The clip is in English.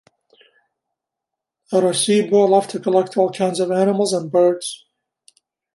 Arasibo loved to collect all kinds of animals and birds.